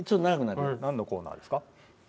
なんのコーナーですか？